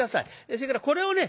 それからこれをね